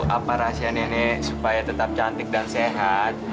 apa rahasianya nek supaya tetap cantik dan sehat